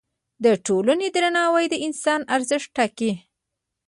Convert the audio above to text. د ټولنې درناوی د انسان ارزښت ټاکه.